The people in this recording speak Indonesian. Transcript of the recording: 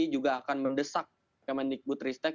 juga akan mendesak kementerian kementerian kementerian ristek